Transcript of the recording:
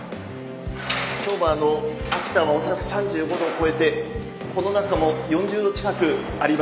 今日も秋田は恐らく３５度を超えてこの中も４０度近くあります。